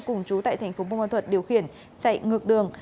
cùng chú tại tp bồn bản thuật điều khiển chạy ngược đường